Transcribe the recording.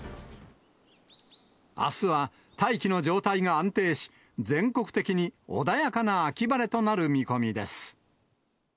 あすは大気の状態が安定し、全国的に穏やかな秋晴れとなる見込みです。